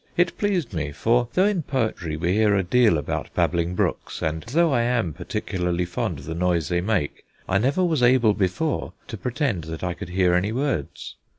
It pleased me, for though in poetry we hear a deal about babbling brooks, and though I am particularly fond of the noise they make, I never was able before to pretend that I could hear any words.